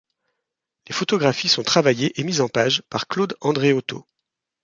Les photographies sont travaillées et mises en page par Claude Andréotto.